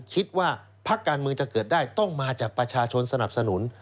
คิดว่าพักการเมืองจะเกิดได้ต้องมาจากประชาชนสนับสนุน